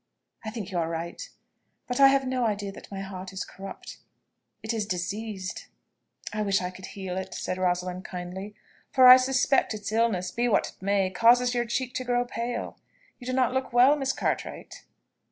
"I think you are right; but I have no idea that my heart is corrupt: it is diseased." "I wish I could heal it," said Rosalind kindly, "for I suspect its illness, be it what it may, causes your cheek to grow pale. You do not look well, Miss Cartwright."